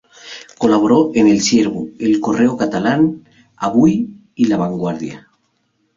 Colaboró en "El Ciervo", "El Correo Catalán", "Avui" y "La Vanguardia".